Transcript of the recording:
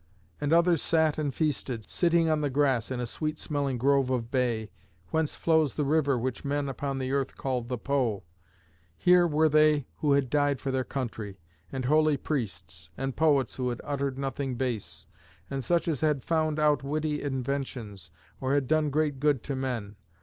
And others sat and feasted, sitting on the grass in a sweet smelling grove of bay, whence flows the river which men upon the earth call the Po. Here were they who had died for their country, and holy priests, and poets who had uttered nothing base, and such as had found out witty inventions, or had done great good to men.